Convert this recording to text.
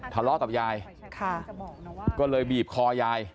ทะเลาะกับยายค่ะก็เลยบีบคอยาย